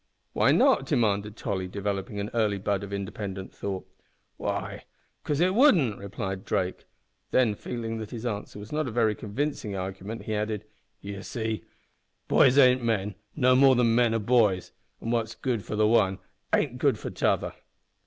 "Why not?" demanded Tolly, developing an early bud of independent thought. "Why, 'cause it wouldn't" replied Drake. Then, feeling that his answer was not a very convincing argument he added, "You see, boys ain't men, no more than men are boys, an' what's good for the one ain't good for the tother."